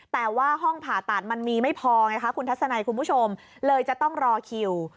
แต่ว่าห้องผ่าตัดมันมีไม่พอไงคะคุณทัศนัยคุณผู้ชมเลยจะต้องรอคิว